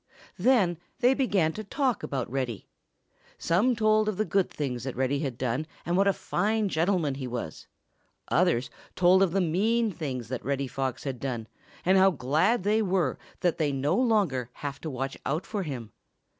Then they began to talk about Reddy. Some told of the good things that Reddy had done and what a fine gentleman he was. Others told of the mean things that Reddy Fox had done and how glad they were that they would no longer have to watch out for him.